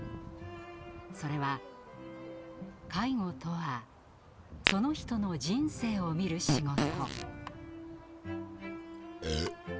それは「介護とはその人の人生を看る仕事」。